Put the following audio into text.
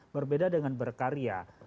berbeda dengan berkarya